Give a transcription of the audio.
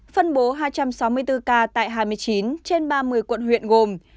phân bố hai trăm sáu mươi bốn ca tại hai mươi chín trên ba mươi quận huyện gồm